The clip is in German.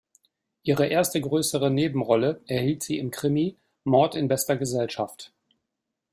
Ihre erste größere Nebenrolle erhielt sie im Krimi "Mord in bester Gesellschaft".